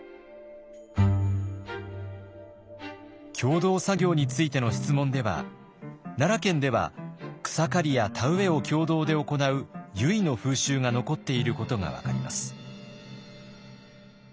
共同作業についての質問では奈良県では草刈りや田植えを共同で行うユイの風習が残っていることが分かります。